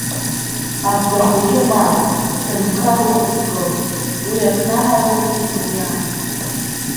Абгахәыҷы мап, сҳәынҭқар ухаҵкы, уи акнаҳара ус имариам…